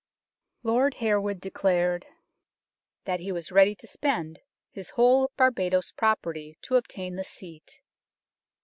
Lord Harewood declared " that he was ready to spend his whole Barbadoes property to obtain the seat."